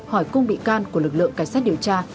hỏi cung bị can của lực lượng cảnh sát điều tra